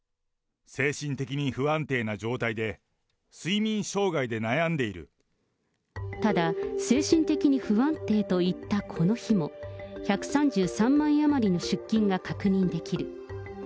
精神的に不安定な状態で、ただ、精神的に不安定と言ったこの日も、１３３万円余りの出金が確認できる。